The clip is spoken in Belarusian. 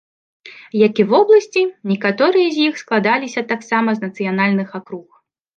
Як і вобласці, некаторыя з іх складаліся таксама з нацыянальных акруг.